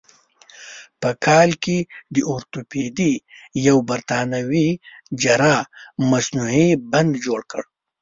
په کال کې د اورتوپیدي یو برتانوي جراح مصنوعي بند جوړ کړ.